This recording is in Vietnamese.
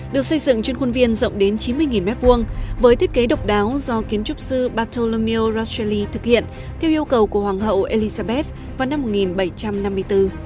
được xây dựng trên khuôn viên rộng đến chín mươi m hai với thiết kế độc đáo do kiến trúc sư bartolomio rastelli thực hiện theo yêu cầu của hoàng hậu elizabeth vào năm một nghìn bảy trăm năm mươi bốn